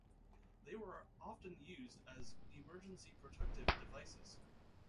They were often used as emergency protective devices.